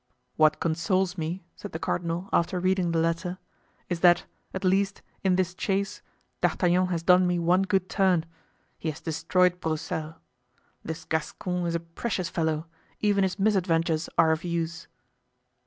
"What consoles me," said the cardinal after reading the letter, "is that, at least, in this chase, D'Artagnan has done me one good turn—he has destroyed Broussel. This Gascon is a precious fellow; even his misadventures are of use."